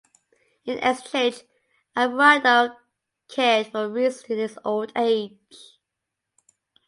In exchange, Alvarado cared for Ruiz in his old age.